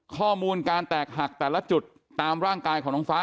ข้อมูลการแตกหักแต่ละจุดตามร่างกายของน้องฟ้า